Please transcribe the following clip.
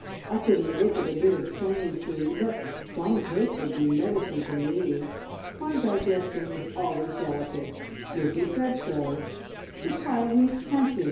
I couldn't look at a bit of plain food, but plum cake would be medicine to me. Me digestion was always delicate. Bridgie said so. `The child needs tempting!'